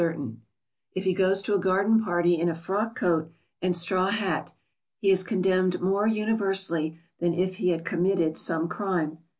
] If he goes to a garden party in a frock coat and straw hat, he is condemned more universally than if he had committed some crime.